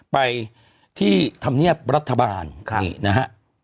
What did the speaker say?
ไปที่ธรรมเนียบรัฐบาลนี่นะฮะ